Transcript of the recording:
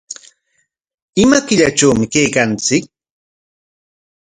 ¿Ima killatrawmi kaykanchik?